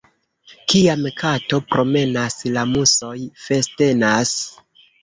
Kiam kato promenas, la musoj festenas.